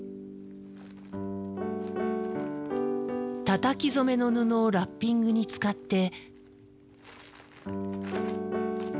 たたき染めの布をラッピングに使って。